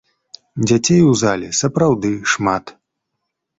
Дзяцей у зале сапраўды шмат.